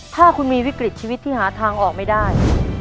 ถ้าคุณมีวิกฤตชีวิตที่หาทางออกไม่ได้